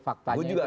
faktanya itu kan